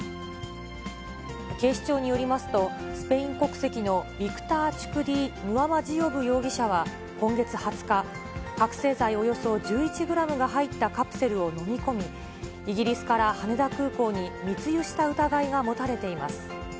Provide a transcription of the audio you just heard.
警視庁によりますと、スペイン国籍のビクター・チュクディ・ンワマジオブ容疑者は今月２０日、覚醒剤およそ１１グラムが入ったカプセルを飲み込み、イギリスから羽田空港に密輸した疑いが持たれています。